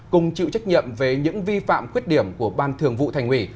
cùng chịu trách nhiệm về những vi phạm khuyết điểm của ban thường vụ thành ủy